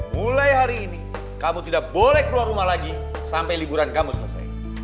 mulai hari ini kamu tidak boleh keluar rumah lagi sampai liburan kamu selesai